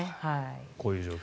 こういう状況。